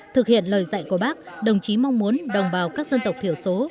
thực hiện lời dạy của bác đồng chí mong muốn đồng bào các dân tộc thiểu số